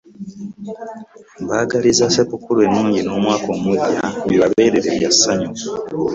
Mbagaliza ssekukkulu enuugi n'omwaka omugya bibabeerere bya sanyu.